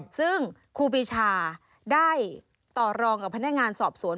ซึ่งครูปีชาได้ต่อรองกับพนักงานสอบสวน